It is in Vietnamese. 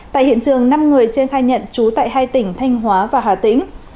tại hiện trường năm người trên khai nhận trú tại hai tỉnh thanh hóa và hà tĩnh